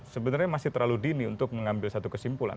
sebenarnya masih terlalu dini untuk mengambil satu kesimpulan